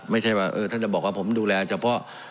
ไม่ใช่ว่าท่านจะบอกว่าผมดูแลเฉพาะ